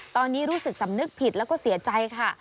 ตอนนี้รู้สึกสำนึกผิดแล้วก็เสียใจค่ะ